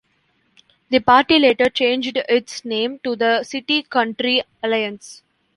The party later changed its name to the City Country Alliance.